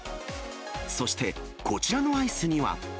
そして、こちらのアイスには。